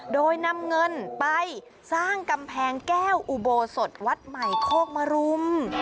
โดยนำเงินไปสร้างกำแพงแก้วอุโบสถวัดใหม่โคกมรุม